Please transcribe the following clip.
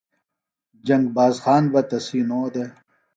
جنگ باز خان بہ تسی نو دےۡ